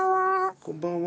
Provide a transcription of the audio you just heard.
こんばんは。